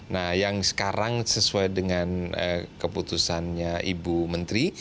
nah yang sekarang sesuai dengan keputusannya ibu menteri